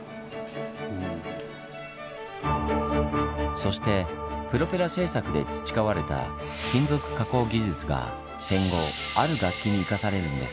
そしてプロペラ製作で培われた金属加工技術が戦後ある楽器に生かされるんです。